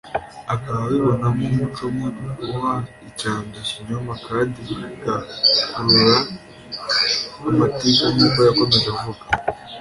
akaba abibonamo umuco mubi uha icyanzu ikinyoma kandi bigakurura amatiku nk’uko yakomeje avuga